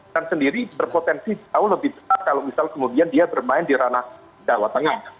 kan sendiri berpotensi tahu lebih tepat kalau misal kemudian dia bermain di ranah dawatannya